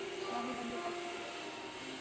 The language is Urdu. نہ ہی ون ڈے کا اچھا پلئیر